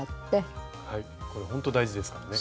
これほんと大事ですからね。